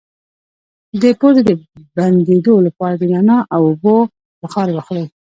د پوزې د بندیدو لپاره د نعناع او اوبو بخار واخلئ